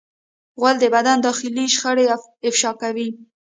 غول د بدن داخلي شخړې افشا کوي.